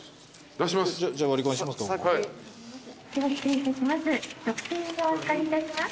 失礼いたします。